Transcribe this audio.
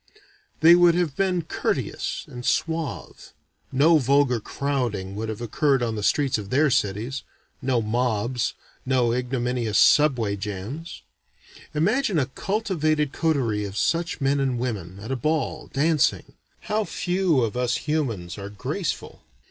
They would have been courteous and suave. No vulgar crowding would have occurred on the streets of their cities. No mobs. No ignominious subway jams. Imagine a cultivated coterie of such men and women, at a ball, dancing. How few of us humans are graceful.